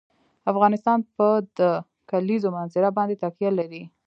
افغانستان په د کلیزو منظره باندې تکیه لري.